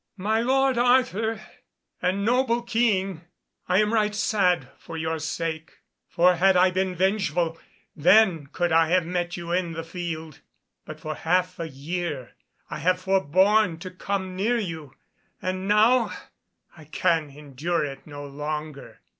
"My lord Arthur and noble King, I am right sad for your sake, for had I been vengeful then could I have met you in the field. But for half a year I have forborne to come near you, and now I can endure it no longer."